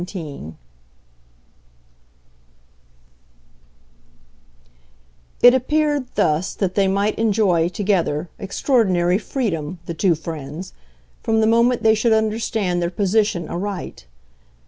XVII It appeared thus that they might enjoy together extraordinary freedom, the two friends, from the moment they should understand their position aright.